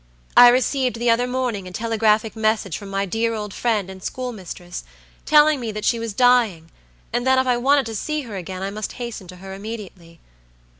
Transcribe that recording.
"I received the other morning a telegraphic message from my dear old friend and school mistress, telling me that she was dying, and that if I wanted to see her again, I must hasten to her immediately.